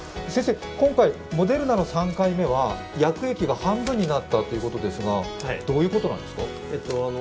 先生、今回モデルナの３回目は薬液が半分になったということですが、どういうことなんですか？